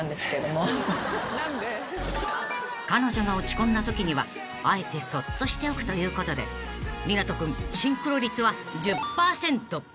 ［彼女が落ち込んだときにはあえてそっとしておくということで湊斗君シンクロ率は１０％］